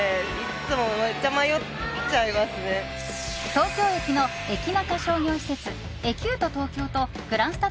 東京駅のエキナカ商業施設エキュート東京とグランスタ